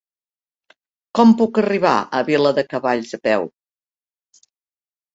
Com puc arribar a Viladecavalls a peu?